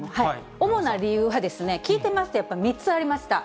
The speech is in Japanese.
主な理由は、聞いてみますと、やっぱり３つありました。